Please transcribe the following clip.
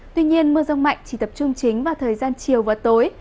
tuy nhiên mưa rông mạnh chỉ tập trung chính vào thời gian chiều và tối